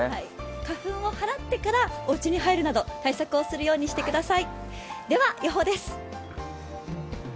花粉を払ってからおうちに入るなど、対策をするようにしてください。